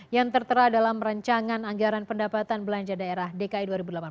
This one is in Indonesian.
yang tertera dalam rencangan anggaran pendapatan belanja daerah dki dua ribu delapan belas